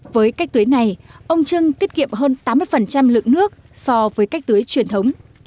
với cách tưới này ông trưng tiết kiệm hơn tám mươi lượng nước so với cách tưới truyền thống